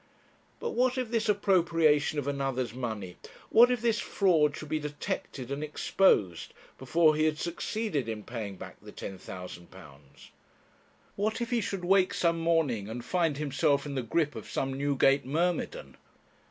But what if this appropriation of another's money, what if this fraud should be detected and exposed before he had succeeded in paying back the £10,000. What if he should wake some morning and find himself in the grip of some Newgate myrmidon?